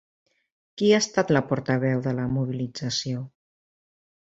Qui ha estat la portaveu de la mobilització?